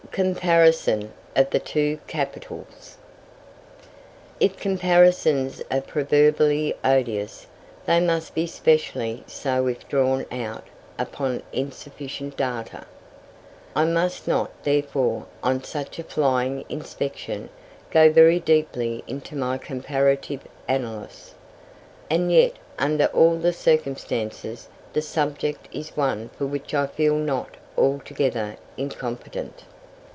COMPARISON OF THE TWO CAPITALS. If comparisons are proverbially odious, they must be specially so if drawn out upon insufficient data. I must not, therefore, on such a flying inspection, go very deeply into my comparative analysis. And yet, under all the circumstances, the subject is one for which I feel not altogether incompetent.